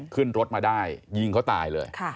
ขึ้นรถมาได้ยิงเขาตายเลย